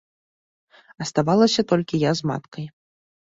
Аставалася толькі я з маткай.